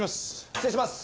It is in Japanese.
失礼します。